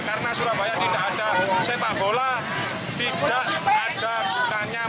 karena surabaya tidak ada sepak bola